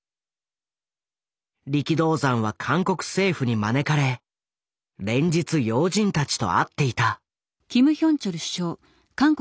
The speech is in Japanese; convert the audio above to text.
力道山は韓国政府に招かれ連日要人たちと会っていた。